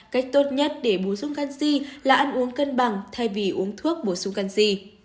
cách tốt nhất để bổ sung canxi là ăn uống cân bằng thay vì uống thuốc bổ sung canxi